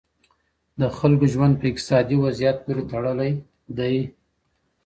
د خلکو ژوند په اقتصادي وضعیت پورې تړلی دی.